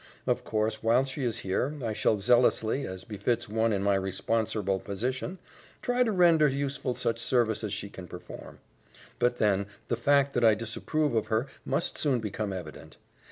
Of course, while she is here, I shall zealously, as befits one in my responserble position, try to render useful such service as she can perform. But then, the fact that I disapprove of her must soon become evident.